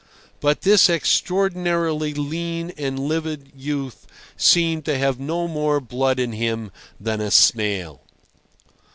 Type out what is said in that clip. But this extraordinarily lean and livid youth seemed to have no more blood in him than a snail.